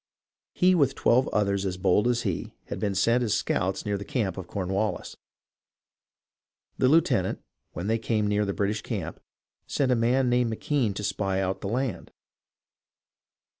He, with twelve others as bold as he, had been sent as scouts near the camp of Cornwallis. The lieutenant, when they came near the British camp, sent a man named McKenne to spy out the land.